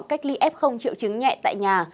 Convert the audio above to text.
cách ly f triệu chứng nhẹ tại nhà